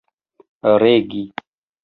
regi